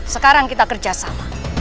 sekarang kita kerjasama